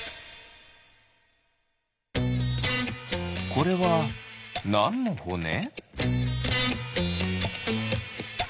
これはなんのほね？